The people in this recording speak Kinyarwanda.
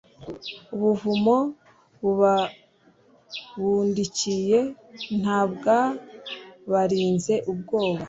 ubuvumo bubabundikiye ntibwabarinze ubwoba